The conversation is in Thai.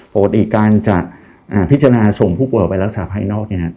ปกติการจะพิจารณาส่งผู้ป่วยไปรักษาภายนอก